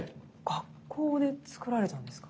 学校で作られたんですか？